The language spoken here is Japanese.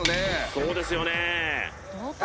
そうですよね